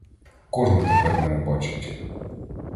Кожне тепер мене бачить!